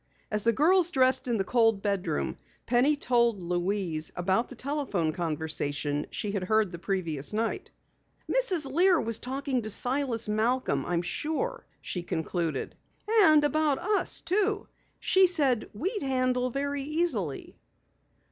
As the girls dressed in the cold bedroom, Penny told Louise of the telephone conversation she had heard the previous night. "Mrs. Lear was talking to Silas Malcom I'm sure," she concluded. "And about us too! She said we'd handle very easily."